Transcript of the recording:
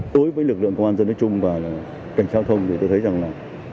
đối với lực lượng công an dân nói chung và cảnh giao thông thì tôi thấy rằng là